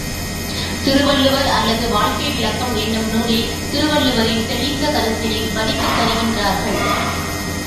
திருவள்ளுவர் அல்லது வாழ்க்கை விளக்கம் என்னும் நூலில் திருவள்ளுவரின் தெளிந்த கருத்தினை வடித்துத் தருகின்றார்கள்.